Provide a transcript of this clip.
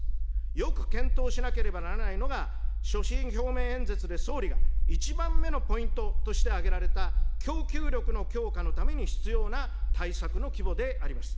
よく検討しなければならないのが、所信表明演説で総理が１番目のポイントとして挙げられた、供給力の強化のために必要な対策の規模であります。